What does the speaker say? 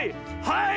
はい！